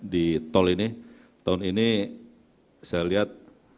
di tol ini tahun ini saya lihat